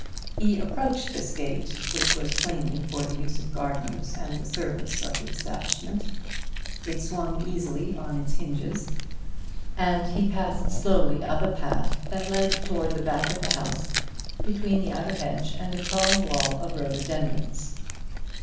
He approached this gate, which was plainly for the use of gardeners and the service of the establishment; it swung easily on its hinges, and he passed slowly up a path that led towards the back of the house between the outer hedge and a tall wall of rhododendrons.